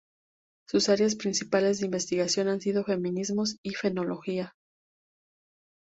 Sus áreas principales de investigación han sido feminismo y fenomenología.